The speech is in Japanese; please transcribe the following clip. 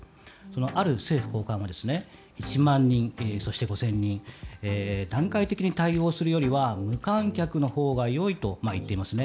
ある政府高官が１万人、そして５０００人段階的に対応するよりは無観客のほうが良いと言っていますね。